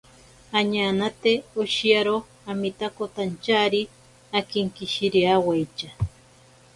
Añanate oshiyaro aminakotantyari akinkishiriawaitya.